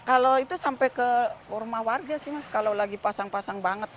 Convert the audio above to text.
kalau itu sampai ke rumah warga sih mas kalau lagi pasang pasang banget